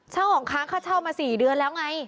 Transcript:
ของค้างค่าเช่ามา๔เดือนแล้วไง